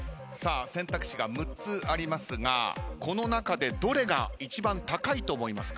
選択肢が６つありますがこの中でどれが一番高いと思いますか？